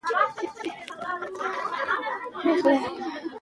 ازادي راډیو د د بشري حقونو نقض د ستونزو رېښه بیان کړې.